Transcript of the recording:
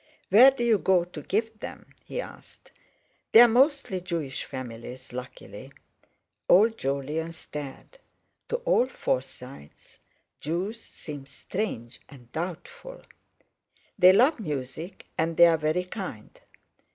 "Where do you go to give them?" he asked. "They're mostly Jewish families, luckily." Old Jolyon stared; to all Forsytes Jews seem strange and doubtful. "They love music, and they're very kind."